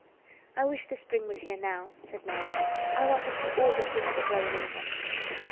"I wish the spring was here now," said Mary. "I want to see all the things that grow in England."